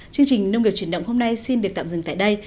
chương trình nông nghiệp truyền động hôm nay xin được tạm dừng tại đây